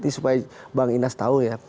supaya bang inas tahu ya